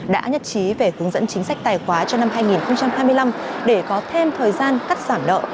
đã nhật trí về hướng dẫn chính sách tài khoá cho năm hai nghìn hai mươi năm để có thêm thời gian cắt giảm nợ